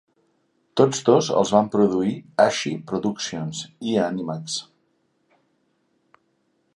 Tots dos els van produir Ashi Productions i Animax.